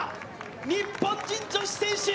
日本人女子選手